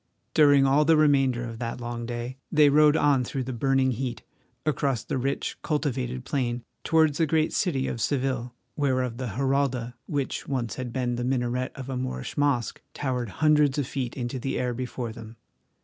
During all the remainder of that long day they rode on through the burning heat, across the rich, cultivated plain, towards the great city of Seville, whereof the Giralda, which once had been the minaret of a Moorish mosque, towered hundreds of feet into the air before them.